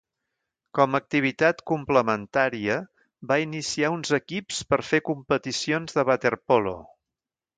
Com a activitat complementària va iniciar uns equips per fer competicions de waterpolo.